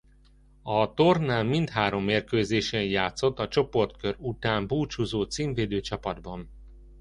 A tornán mindhárom mérkőzésén játszott a csoportkör után búcsúzó címvédő csapatban.